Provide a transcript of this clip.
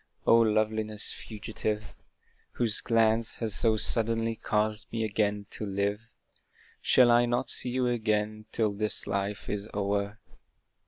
O loveliness fugitive! Whose glance has so suddenly caused me again to live, Shall I not see you again till this life is o'er!